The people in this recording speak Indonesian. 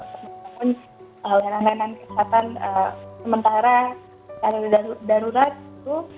meskipun layanan layanan kesehatan sementara secara darurat itu